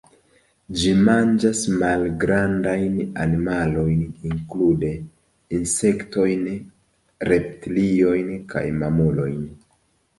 Ĝi manĝas malgrandajn animalojn, inklude insektojn, reptiliojn kaj mamulojn.